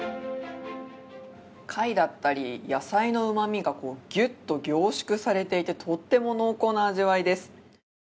貝だったり、野菜のうまみがギュッと濃縮されていて、とっても濃厚な味わいです。